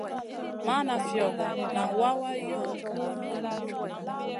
Mana fiogo, nan wawa yow gu ŋolo.